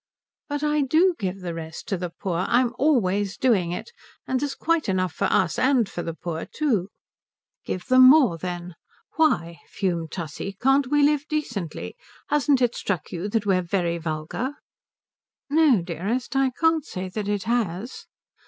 "But I do give the rest to the poor; I'm always doing it. And there's quite enough for us and for the poor too." "Give them more, then. Why," fumed Tussie, "can't we live decently? Hasn't it struck you that we're very vulgar?" "No, dearest, I can't say that it has."